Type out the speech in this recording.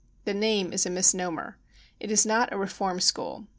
The name is a misnomer. It is not a reform school.